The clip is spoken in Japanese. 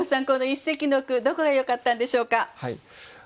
この一席の句どこがよかったんでしょうか。